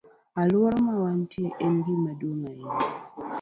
Alwora ma wantie en gima duong' ahinya.